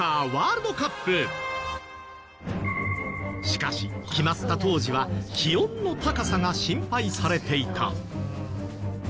しかし決まった当時は気温の高さが心配されていた。